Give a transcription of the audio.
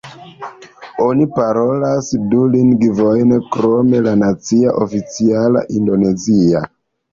Oni parolas du lingvojn krom la nacia oficiala indonezia.